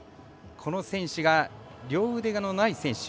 この選手が両腕のない選手。